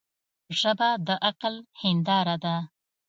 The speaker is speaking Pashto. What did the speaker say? ژبه د عقل هنداره ده